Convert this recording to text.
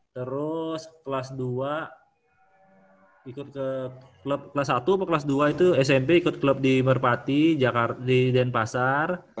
terus kelas dua ikut ke klub kelas satu atau kelas dua itu smp ikut klub di merpati di denpasar